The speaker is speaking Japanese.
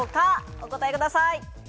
お答えください。